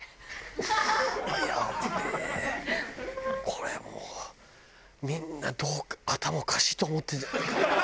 これもうみんな頭おかしいと思ってんじゃないかな。